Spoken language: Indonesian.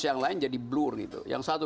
yang lain jadi blur gitu yang satu